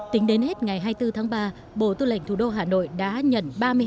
tính đến hết ngày hai mươi bốn tháng ba bộ tư lệnh thủ đô hà nội đã nhận